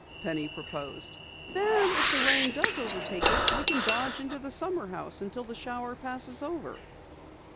Penny proposed. "Then if the rain does overtake us, we can dodge into the summer house until the shower passes over."